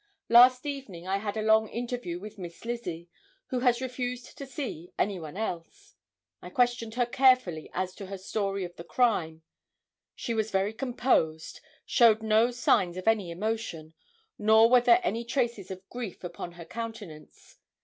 Last evening I had a long interview with Miss Lizzie, who has refused to see anyone else. I questioned her carefully as to her story of the crime. She was very composed, showed no signs of any emotion, nor were there any traces of grief upon her countenance.